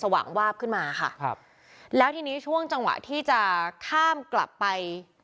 ว่างวาบขึ้นมาค่ะครับแล้วทีนี้ช่วงจังหวะที่จะข้ามกลับไป